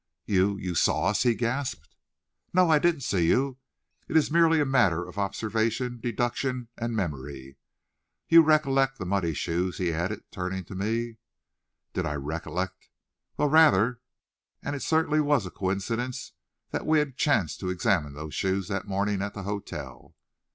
"You you saw us!" he gasped. "No, I didn't see you; it is merely a matter of observation, deduction, and memory. You recollect the muddy shoes?" he added, turning to me. Did I recollect! Well, rather! And it certainly was a coincidence that we had chanced to examine those shoes that morning at the hotel.